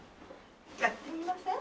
やってみません？